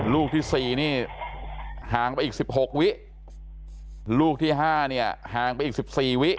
ลูกที่๔นี่ห่างไปอีก๑๖วิลูกที่๕เนี่ยห่างไปอีก๑๔วิ